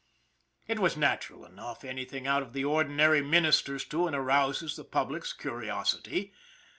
It was natural enough, anything out of the ordinary ministers to and arouses the public's curiosity.